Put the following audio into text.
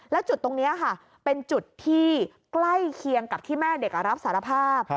แล้วจุดตรงนี้ค่ะเป็นจุดที่ใกล้เคียงกับที่แม่เด็กรับสารภาพ